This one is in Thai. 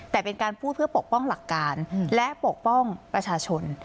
แต่เป็นการพูดเพื่อปกป้องหลักการและปกป้องประชาชน